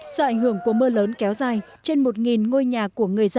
do ảnh hưởng của mưa lớn kéo dài trên một ngôi nhà của người sơn la